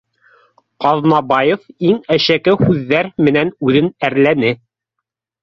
Ҡаҙнабаев иң әшәке һүҙҙәр менән үҙен әрләне